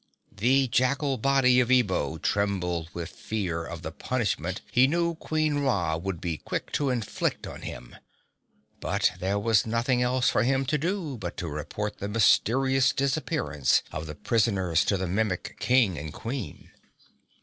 The jackal body of Ebo trembled with fear of the punishment he knew Queen Ra would be quick to inflict on him. But there was nothing else for him to do but to report the mysterious disappearance of the prisoners to the Mimic King and Queen.